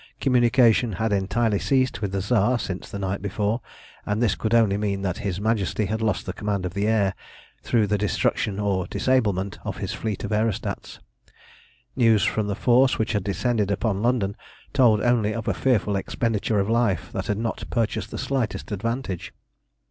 Communication had entirely ceased with the Tsar since the night before, and this could only mean that his Majesty had lost the command of the air, through the destruction or disablement of his fleet of aerostats. News from the force which had descended upon London told only of a fearful expenditure of life that had not purchased the slightest advantage.